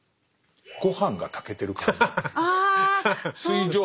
ご飯が炊けてる感じ。